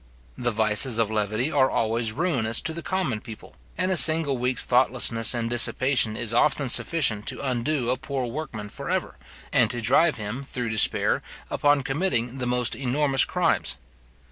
The vices of levity are always ruinous to the common people, and a single week's thoughtlessness and dissipation is often sufficient to undo a poor workman for ever, and to drive him, through despair, upon committing the most enormous crimes.